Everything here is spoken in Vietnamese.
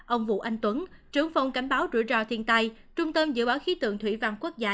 ông vũ anh tuấn trưởng phòng cảnh báo rủi ro thiên tai trung tâm dự báo khí tượng thủy văn quốc gia